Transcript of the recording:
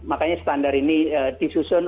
makanya standar ini disusun